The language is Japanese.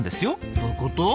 どういうこと？